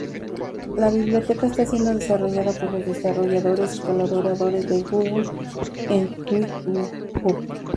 La biblioteca está siendo desarrollada por los desarrolladores y colaboradores de Google en GitHub.